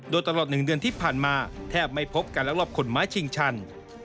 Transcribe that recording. โดยตลอด๑เดือนที่ผ่านมาแทบไม่พบการลักลอบขนไม้ชิงชัน